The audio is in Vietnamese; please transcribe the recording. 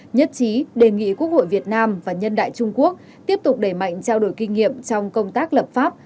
nhất trí đề nghị quốc hội việt nam và nhân đại trung quốc tiếp tục đẩy mạnh trao đổi kinh nghiệm trong công tác lập pháp